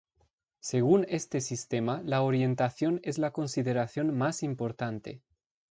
Según este sistema, la orientación es la consideración más importante.